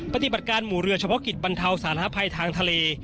ปฏิบัติการหมู่เรือเฉพาะกิจบรรเทาสาธารณภัยทางทะเล